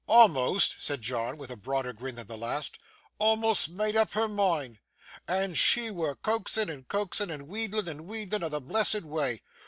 'A'most!' said John, with a broader grin than the last. 'A'most made up her mind! And she wur coaxin', and coaxin', and wheedlin', and wheedlin' a' the blessed wa'.